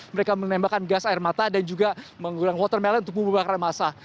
mereka menembakkan gas air mata dan juga menggunakan water mellen untuk membubarkan masa